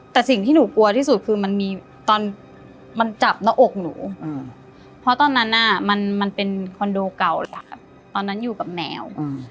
แต่สิ่งที่หนูกลัวที่สุดคือมันมีตอนมันจับหน้าอกหนูเพราะตอนนั้นมันเป็นคอนโดเก่าหลักตอนนั้นอยู่กับแมว